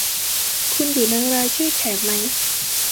คุณอยู่ในรายชื่อแขกไหม